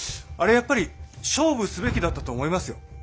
やっぱり勝負すべきだったと思いますよ。